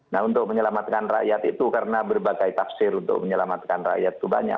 nah untuk menyelamatkan rakyat itu karena berbagai tafsir untuk menyelamatkan rakyat itu banyak